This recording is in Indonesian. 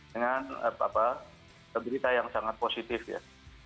dengan berita yang sangat positif ya